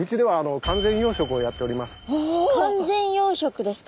完全養殖ですか？